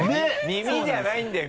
「みみ」じゃないんだよ